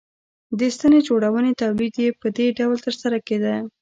د ستنې جوړونې تولید یې په دې ډول ترسره کېده